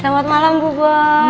selamat malam bu bos